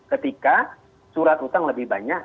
ketika surat utang lebih banyak